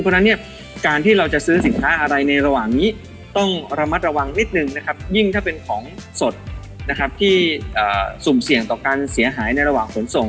เพราะฉะนั้นเนี่ยการที่เราจะซื้อสินค้าอะไรในระหว่างนี้ต้องระมัดระวังนิดนึงนะครับยิ่งถ้าเป็นของสดนะครับที่สุ่มเสี่ยงต่อการเสียหายในระหว่างขนส่ง